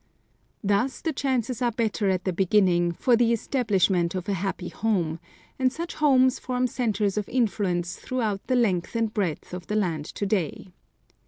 Thus the chances are better at the beginning for the establishment of a happy home, and such homes form centres of influence throughout the length and breadth of the land to day.